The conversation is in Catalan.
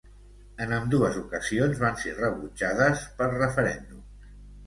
En ambdues ocasions van ser rebutjades per referèndums.